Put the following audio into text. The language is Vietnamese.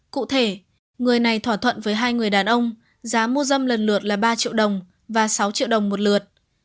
cụ thể người này thỏa thuận với hai người đàn ông giá mua dâm lần lượt là ba triệu đồng và sáu triệu đồng một lượt